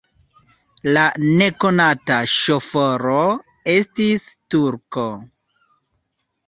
La nekonata ŝoforo estis turko.